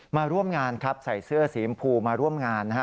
มาร่วมงานครับใส่เสื้อสีชมพูมาร่วมงานนะฮะ